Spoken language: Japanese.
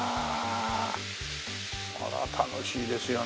これは楽しいですよね